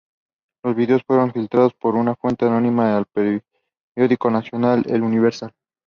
Los videos fueron filtrados por una fuente anónima al periódico nacional "El Universal".